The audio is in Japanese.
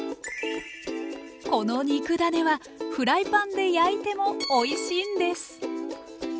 この肉ダネはフライパンで焼いてもおいしいんです！